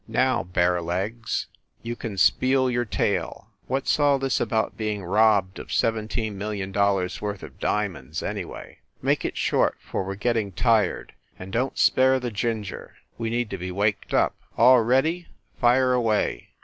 "Now, bare legs, you can spiel your tale. What s all this about being robbed of seventeen million dollars worth of diamonds, anyway? Make it short, for we re getting tired. And don t spare the ginger we need to be waked up. All ready fire away